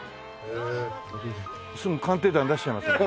すぐ『鑑定団』に出しちゃいますんで。